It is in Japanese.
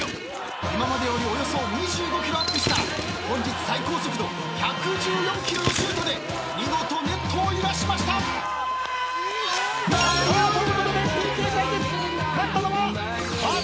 ［今までよりおよそ２５キロアップした本日最高速度１１４キロのシュートで見事ネットを揺らしました］ということでＰＫ対決。